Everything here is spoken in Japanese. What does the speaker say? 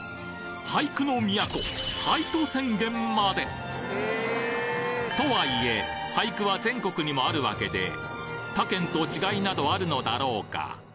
俳句の都「俳都宣言」まで！？とはいえ俳句は全国にもあるわけで他県と違いなどあるのだろうか？